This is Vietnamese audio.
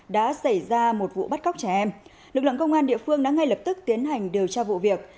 đã xảy ra một vụ bắt cóc trẻ em lực lượng công an địa phương đã ngay lập tức tiến hành điều tra vụ việc